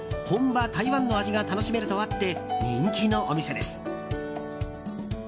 本場、台湾の味が楽しめるとあって人気のお店です。